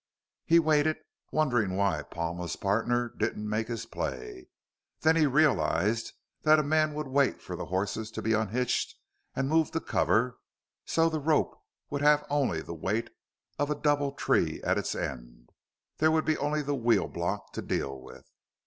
He waited, wondering why Palma's partner didn't make his play. Then he realized that the man would wait for the horses to be unhitched and moved to cover so the rope would have only the weight of a doubletree at its end. There would be only the wheel block to deal with.